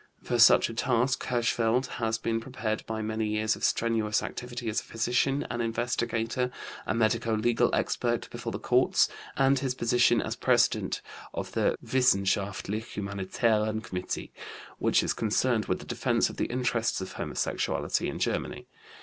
For such a task Hirschfeld had been prepared by many years of strenuous activity as a physician, an investigator, a medico legal expert before the courts, and his position as president of the Wissenschaftlich humanitären Komitee which is concerned with the defense of the interests of the homosexual in Germany.